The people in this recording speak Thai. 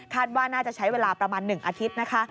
ว่าน่าจะใช้เวลาประมาณ๑อาทิตย์นะคะ